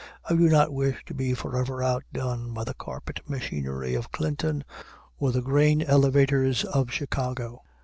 I do not wish to be forever outdone by the carpet machinery of Clinton or the grain elevators of Chicago.